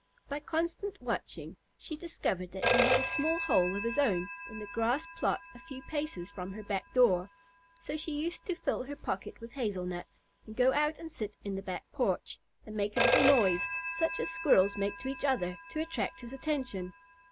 By constant watching, she discovered that he had a small hole of his own in the grass plot a few paces from her back door. So she used to fill her pocket with hazel nuts, and go out and sit in the back porch, and make a little noise, such as squirrels make to each other, to attract his attention.